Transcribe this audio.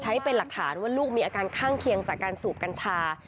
ใช้เป็นหลักฐานว่าลูกมีอาการข้างเคียงจากการสูบกัญชา